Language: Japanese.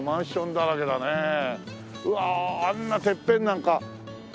うわああんなてっぺんなんか。